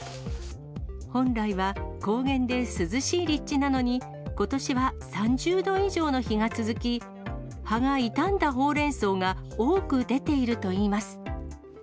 本来は高原で涼しい立地なのに、ことしは３０度以上の日が続き、葉が傷んだほうれんそうが多く出ているといいます。